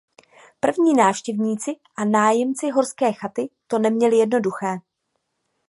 První návštěvníci a nájemci horské chaty to neměli jednoduché.